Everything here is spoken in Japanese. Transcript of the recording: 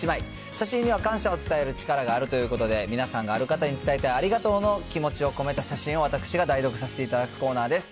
写真には感謝を伝える力があるということで、皆さんがある方に伝えたい、ありがとうの気持ちを込めた手紙を私が代読させていただくコーナーです。